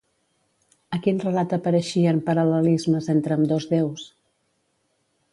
A quin relat apareixien paral·lelismes entre ambdós déus?